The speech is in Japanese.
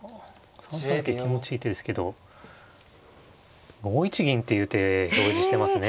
３三桂気持ちいい手ですけど５一銀っていう手表示していますね。